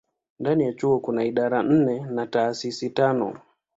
Ndani ya chuo kuna idara nne na taasisi tano.